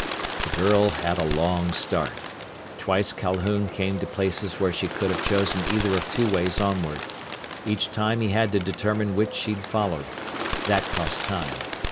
The girl had a long start. Twice Calhoun came to places where she could have chosen either of two ways onward. Each time he had to determine which she'd followed. That cost time.